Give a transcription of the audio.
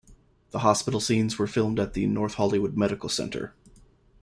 The hospital scenes were filmed at the North Hollywood Medical Center.